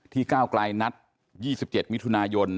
ก้าวกลายนัด๒๗มิถุนายน